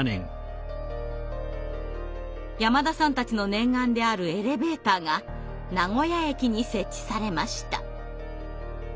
山田さんたちの念願であるエレベーターが名古屋駅に設置されました。